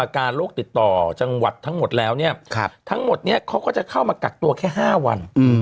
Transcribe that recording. มาการโลกติดต่อจังหวัดทั้งหมดแล้วเนี่ยทั้งหมดเนี่ยเค้าจะเข้ามากักตัวแค่๕วัน